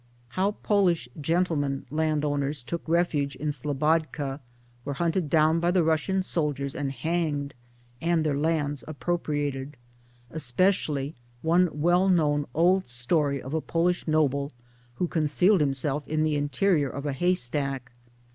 How Polish * gentlemen/ landowners, took refuge in Slobodka, were hunted down by the Russian soldiers and hanged, and their lands appropriated especially one well known old story of a Polish noble who con cealed himself in the interior of a haystack.